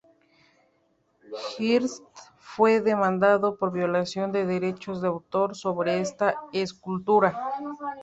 Hirst fue demandado por violación de derechos de autor sobre esta escultura.